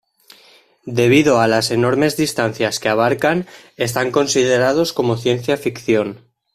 Debido a las enormes distancias que abarcan, están considerados como ciencia ficción.